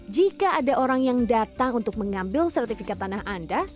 jika ada orang yang datang untuk mengambil sertifikat tanah anda